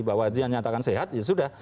bahwa dia nyatakan sehat ya sudah